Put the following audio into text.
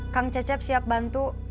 kang cecep siap bantu